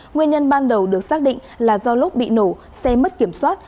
nguyên nhân ban đầu được xác định là do lúc bị nổ xe mất kiểm soát